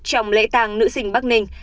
trong lễ tàng nữ sinh bắc ninh